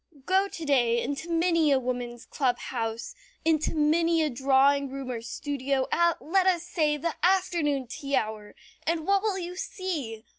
Go to day into many a woman's club house, into many a drawing room or studio at, let us say, the afternoon tea hour, and what will you see?